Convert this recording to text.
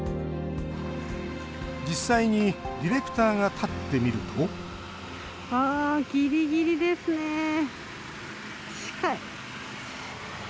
実際にディレクターが立ってみるとギリギリですね、近い。